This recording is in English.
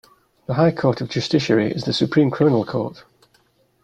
The High Court of Justiciary is the supreme criminal court.